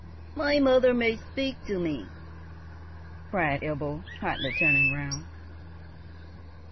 "My mother may speak to me!" cried Ebbo, hotly, turning round.